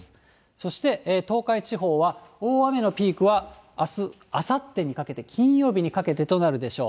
そして、東海地方は、大雨のピークはあす、あさってにかけて、金曜日にかけてとなるでしょう。